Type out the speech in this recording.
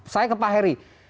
saya ke pak heri